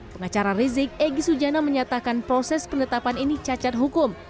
pengacara rizik egy sujana menyatakan proses penetapan ini cacat hukum